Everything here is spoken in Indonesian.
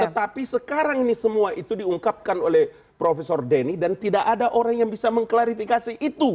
tetapi sekarang ini semua itu diungkapkan oleh profesor denny dan tidak ada orang yang bisa mengklarifikasi itu